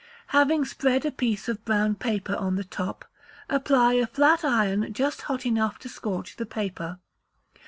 Having spread a piece of brown paper on the top, apply a flat iron just hot enough to scorch the paper.